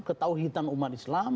ketauhitan umat islam